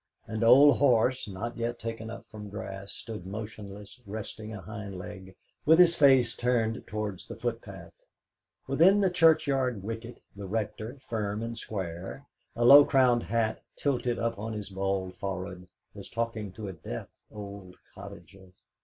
An old horse, not yet taken up from grass, stood motionless, resting a hind leg, with his face turned towards the footpath. Within the churchyard wicket the Rector, firm and square, a low crowned hat tilted up on his bald forehead, was talking to a deaf old cottager.